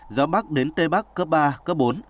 gió bắc đến tây bắc cấp ba cấp bốn